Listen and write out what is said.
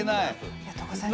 ありがとうございます。